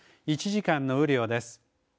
１時間の雨量です。